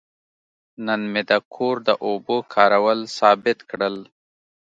نن مې د کور د اوبو کارول ثابت کړل.